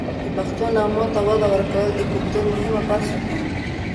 د پښتو نغمو ته وده ورکول د کلتور مهمه برخه ده.